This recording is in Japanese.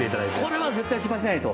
これは絶対失敗しない！と。